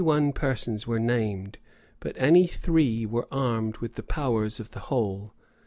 Twenty one persons were named; but any three were armed with the powers of the whole.